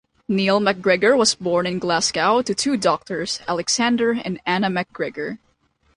Neil MacGregor was born in Glasgow to two doctors, Alexander and Anna MacGregor.